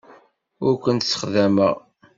Ur kent-ssexdameɣ.